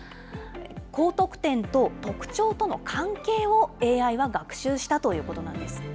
高得点と特徴との関係をＡＩは学習したということなんです。